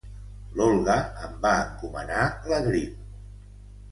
L'Olga em va encomanar la grip